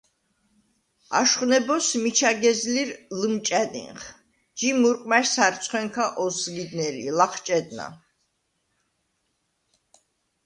აშხვ ნებოზს მიჩა გეზლირ ლჷმჭა̈დინხ, ჯი მურყვმა̈შ სარცხვენქა ოსგიდნელი, ლახჭედნა: